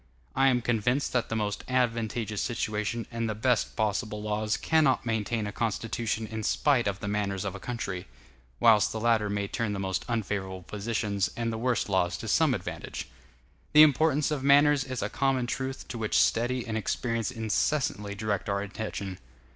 I am convinced that the most advantageous situation and the best possible laws cannot maintain a constitution in spite of the manners of a country; whilst the latter may turn the most unfavorable positions and the worst laws to some advantage. The importance of manners is a common truth to which study and experience incessantly direct our attention.